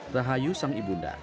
rahayu sang ibunda